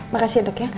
makasih ya dok ya